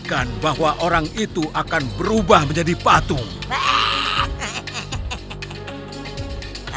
mengatakan bahwa orang itu akan berubah menjadi patung